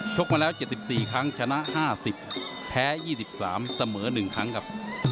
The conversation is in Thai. ชกมาแล้วเจ็ดสิบสี่ครั้งชนะห้าสิบแพ้ยี่สิบสามเสมอหนึ่งครั้งครับ